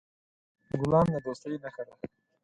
ګلان د دوستۍ نښه ده.